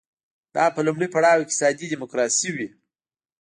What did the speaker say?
دا به په لومړي پړاو کې اقتصادي ډیموکراسي وي.